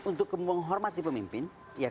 untuk menghormati pemimpin